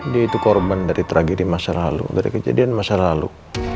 dia itu korban dari tragedi masa lalu dari kejadian masa lalu